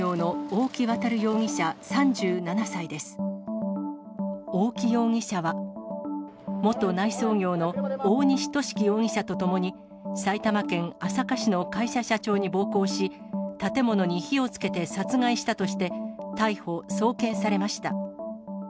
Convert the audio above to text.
大木容疑者は、元内装業の大西寿貴容疑者とともに、埼玉県朝霞市の会社社長に暴行し、建物に火をつけて殺害したとして、逮捕・送検されました。